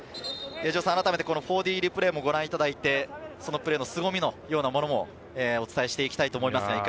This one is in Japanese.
４Ｄリプレイもご覧いただいて、そのプレーのすごみのようなものをお伝えしていきたいと思います。